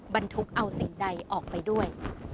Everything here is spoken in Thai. บรรทุกเอาสิ่งใดออกไปด้วย